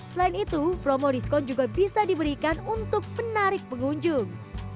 selain itu promo diskon juga bisa diberikan untuk penarik pengunjung